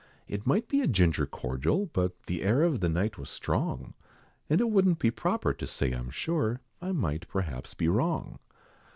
It might be a ginger cordial; but The air of the night was strong, And it wouldn't be proper to say I'm sure, I might perhaps be wrong.